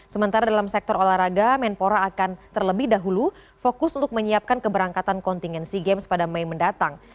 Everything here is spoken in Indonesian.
sementara dalam sektor olahraga menpora akan terlebih dahulu fokus untuk menyiapkan keberangkatan kontingensi games pada mei mendatang